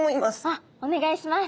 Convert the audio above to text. あっお願いします。